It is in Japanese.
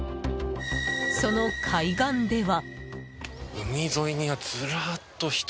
その海岸では。